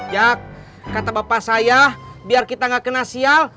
ya kata bapak saya biar kita gak kena sial